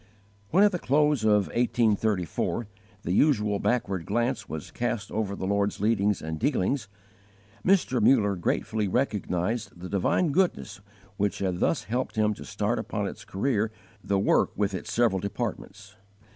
When, at the close of 1834, the usual backward glance was cast over the Lord's leadings and dealings, Mr. Muller gratefully recognized the divine goodness which had thus helped him to start upon its career the work with its several departments.